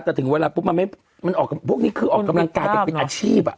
แต่ถึงพวกนี้คือออกกำลังกายเป็นอาชีพอะ